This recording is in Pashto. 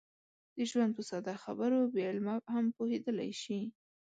د ژوند په ساده خبرو بې علمه هم پوهېدلی شي.